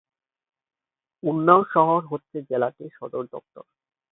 উন্নাও শহর হচ্ছে জেলাটির সদর দপ্তর।